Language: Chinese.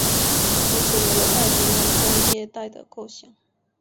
从此有了太平洋工业带的构想。